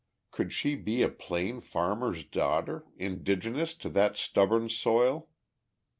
Could she be a plain farmer's daughter, indigenous to that stubborn soil?